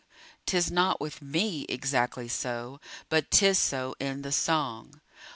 'Tis not with me exactly so; But 'tis so in the song.